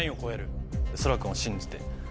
そら君を信じて。